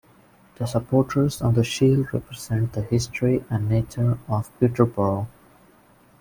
The supporters of the shield represent the history and nature of Peterborough.